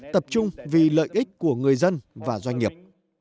tập trung vì lợi ích của người dân và doanh nghiệp